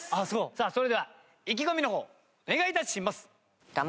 さあそれでは意気込みの方お願い致します。